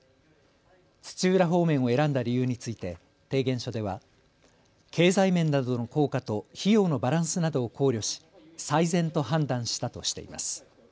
土浦方面を選んだ理由について提言書では経済面などの効果と費用のバランスなどを考慮し最善と判断したとしています。